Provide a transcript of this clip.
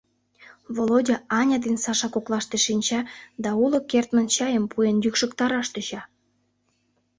Володя Аня ден Саша коклаште шинча да уло кертмын чайым пуэн йӱкшыктараш тӧча.